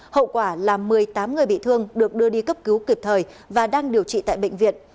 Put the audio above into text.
hậu quả là một mươi tám người bị thương được đưa đi cấp cứu kịp thời và đang điều trị tại bệnh viện